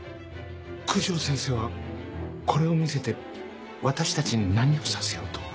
九条先生はこれを見せて私たちに何をさせようと？